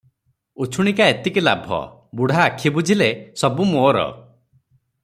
ଉଛୁଣିକା ଏତିକି ଲାଭ, ବୁଢ଼ା ଆଖି ବୁଜିଲେ ସବୁ ମୋର ।